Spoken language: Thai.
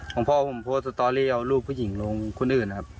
ของพ่อผมโพสต์สตอรี่เอาลูกผู้หญิงลงคนอื่นนะครับ